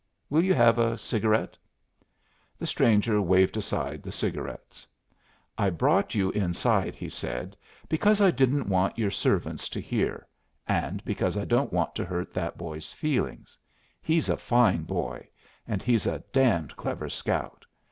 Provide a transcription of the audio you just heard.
Will you have a cigarette?" The stranger waved aside the cigarettes. "I brought you inside," he said, "because I didn't want your servants to hear; and because I don't want to hurt that boy's feelings. He's a fine boy; and he's a damned clever scout.